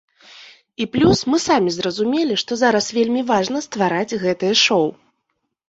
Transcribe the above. І плюс мы самі зразумелі, што зараз вельмі важна ствараць гэтае шоў.